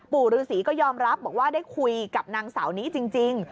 ปู่ฤษีก็ยอมรับบอกว่าได้คุยกับนางสาวนี้จริง